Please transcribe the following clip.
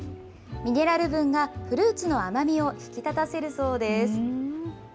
ミネラル分がフルーツの甘みを引き立たせるそうです。